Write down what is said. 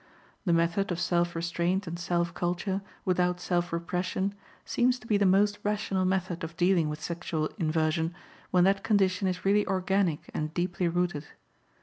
The method of self restraint and self culture, without self repression, seems to be the most rational method of dealing with sexual inversion when that condition is really organic and deeply rooted.